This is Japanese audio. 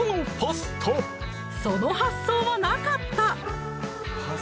その発想はなかった！